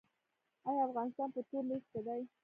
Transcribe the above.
آیا افغانستان په تور لیست کې دی؟